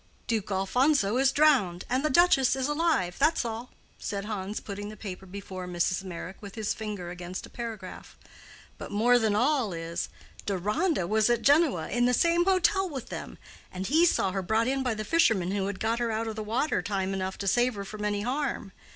"Duke Alfonso is drowned, and the Duchess is alive, that's all," said Hans, putting the paper before Mrs. Meyrick, with his finger against a paragraph. "But more than all is—Deronda was at Genoa in the same hotel with them, and he saw her brought in by the fishermen who had got her out of the water time enough to save her from any harm.